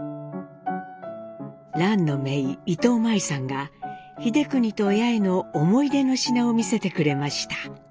蘭のめい伊藤舞さんが英邦と八重の思い出の品を見せてくれました。